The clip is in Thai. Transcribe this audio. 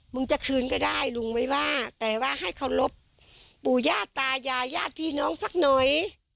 มึงจะคืนก็ได้ลุงไม่ว่าแต่ว่าให้เคารพปู่ย่าตายายญาติพี่น้องสักหน่อย